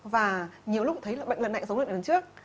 và nhiều lúc thấy là bệnh lần này giống lợn lần trước